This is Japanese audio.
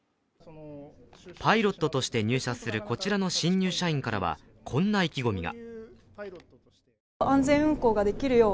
パイロットとして入社するこちらの新入社員からは、こんな意気込みが。